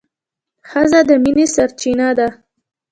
ښځه د مینې سرچینه ده.